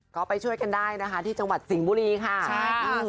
ก็ไปช่วยกันได้นะฮะที่จังหวัดสิงห์บุรีครับ